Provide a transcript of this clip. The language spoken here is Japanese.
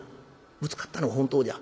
ぶつかったのは本当じゃ。